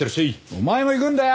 お前も行くんだよ！